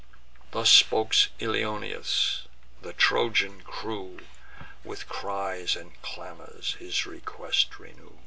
Thus spoke Ilioneus: the Trojan crew With cries and clamours his request renew.